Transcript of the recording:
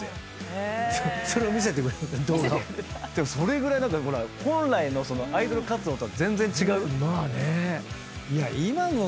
それぐらい本来のアイドル活動とは全然違う。